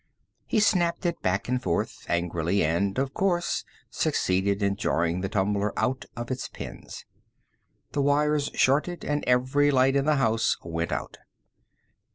He snapped it back and forth angrily and, of course, succeeded in jarring the tumbler out of its pins. The wires shorted and every light in the house went out.